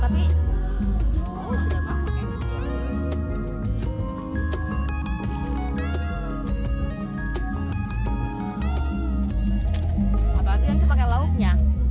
apa itu yang kita pakai lauknya